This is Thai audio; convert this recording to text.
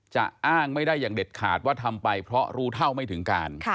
จะอ้างไม่ได้อย่างเด็ดขาดว่าทำไปเพราะรู้เท่าไม่ถึงการ